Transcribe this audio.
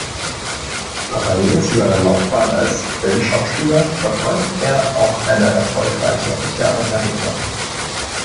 Parallel zu seiner Laufbahn als Filmschauspieler verfolgt er auch eine erfolgreiche Theaterkarriere.